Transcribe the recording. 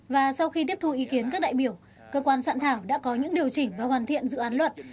và sau khi tiếp thu ý kiến các đại biểu cơ quan soạn thảo đã có những điều chỉnh và hoàn thiện dự án luật